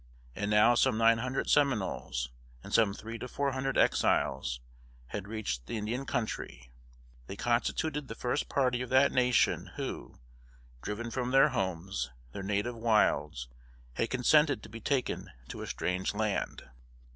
And now some nine hundred Seminoles, and some three to four hundred Exiles, had reached the Indian Country; they constituted the first party of that nation who, driven from their homes their native wilds had consented to be taken to a strange land.